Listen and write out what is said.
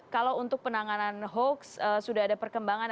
kalau untuk penanganan hoax sudah ada perkembangan